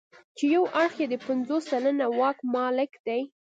چې یو اړخ یې د پنځوس سلنه واک مالک دی.